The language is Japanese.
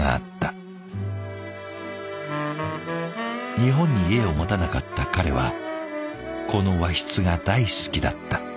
日本に家を持たなかった彼はこの和室が大好きだった。